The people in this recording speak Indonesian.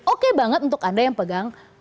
oke banget untuk anda yang pegang